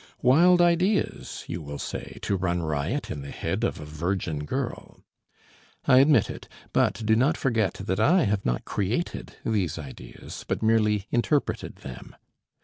Wild ideas, you will say, to run riot in the head of a virgin girl. I admit it, but do not forget that I have not created these ideas but merely interpreted them.